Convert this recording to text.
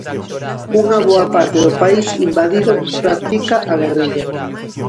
Unha boa parte do país invadido practica a guerrilla.